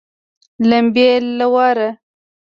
لمبې له واره